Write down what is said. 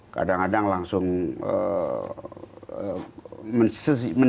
kadang kadang langsung mensimulasikan